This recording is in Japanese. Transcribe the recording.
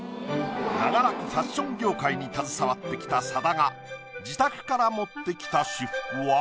長らくファッション業界に携わってきた佐田が自宅から持ってきた私服は？